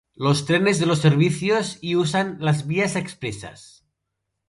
Los trenes de los servicios y usan las vías expresas.